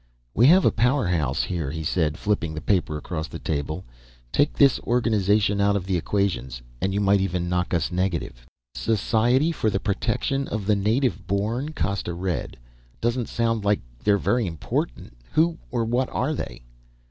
"We have a powerhouse here," he said, flipping the paper across the table. "Take this organization out of the equations and you might even knock us negative." "Society for the Protection of the Native Born," Costa read. "Doesn't sound like very important. Who or what are they?"